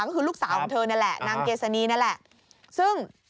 ก็คือลูกสาวของเธอนั่นแหละนางเกษณีนั่นแหละซึ่ง